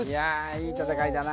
いい戦いだな